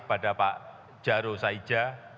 kepada pak jaro sa idja